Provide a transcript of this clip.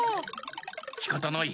しかたない。